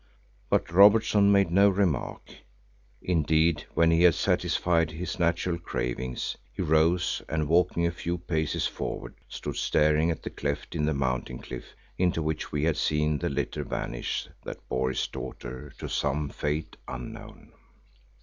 But Robertson made no remark; indeed, when he had satisfied his natural cravings, he rose and walking a few paces forward, stood staring at the cleft in the mountain cliff into which he had seen the litter vanish that bore his daughter to some fate unknown.